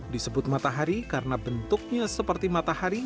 disebut matahari karena bentuknya seperti matahari